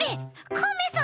カメさん？